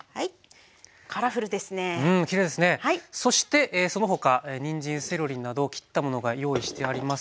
そしてその他にんじんセロリなど切ったものが用意してありますね。